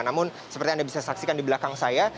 namun seperti anda bisa saksikan di belakang saya